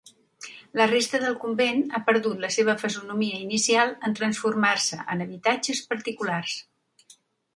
La resta del convent ha perdut la seva fesomia inicial en transformar-se en habitatges particulars.